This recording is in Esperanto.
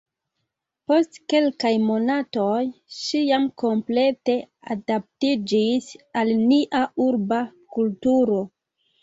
Post kelkaj monatoj, ŝi jam komplete adaptiĝis al nia urba kulturo.